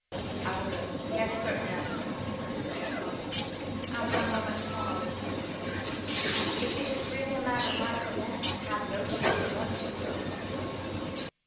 "I will go yes, certainly I will go," Fergusson exclaimed, after a moment's pause; "if it is really a matter of life and death, I have no choice but to go."